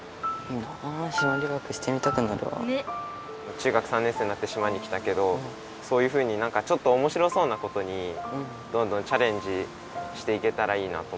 中学３年生になって島に来たけどそういうふうになんかちょっとおもしろそうなことにどんどんチャレンジしていけたらいいなと思って。